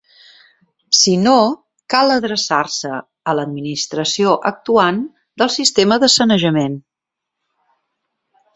Si no, cal adreçar-se a l'administració actuant del sistema de sanejament.